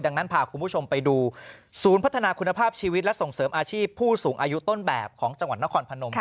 ดังนั้นพาคุณผู้ชมไปดูศูนย์พัฒนาคุณภาพชีวิตและส่งเสริมอาชีพผู้สูงอายุต้นแบบของจังหวัดนครพนม